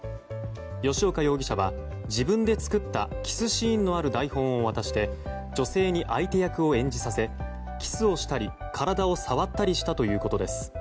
吉岡容疑者は自分で作ったキスシーンのある台本を渡して女性に相手役を演じさせキスをしたり体を触ったりしたということです。